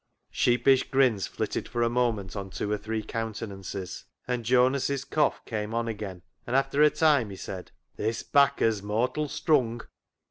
Sheepish grins flitted for a moment on two or three countenances, and Jonas' cough came on again, and after a time he said :" This 'bacca's mortal strung."